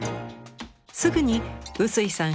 すぐに臼井さん